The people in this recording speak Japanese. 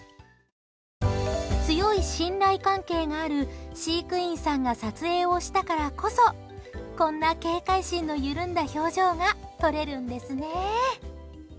強い信頼関係がある飼育員さんが撮影したからこそこんな警戒心の緩んだ表情が撮れるんですね。